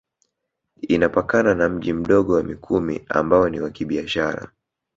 Inapakana na mji Mdogo wa Mikumi ambao ni wa kibiashara